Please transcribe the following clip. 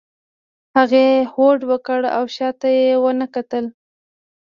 هغې هوډ وکړ او شا ته یې ونه کتل.